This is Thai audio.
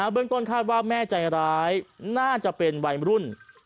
เบื้องต้นคาดว่าแม่ใจร้ายน่าจะเป็นวัยรุ่น